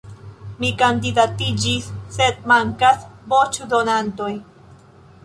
Mi kandidatiĝis, sed mankas voĉdonantoj.